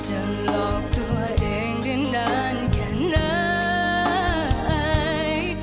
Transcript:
หลอกตัวเองได้นานแค่ไหน